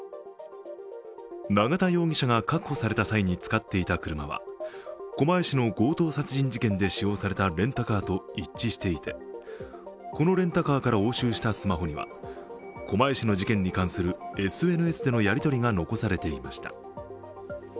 永田容疑者が確保された際に使っていた車は狛江市の強盗殺人事件で使用されたレンタカーと一致していて、このレンタカーから押収したスマホには狛江市の事件に関するＳＮＳでのやり取りが残されていました。